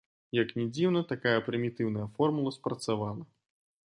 Як не дзіўна, такая прымітыўная формула спрацавала.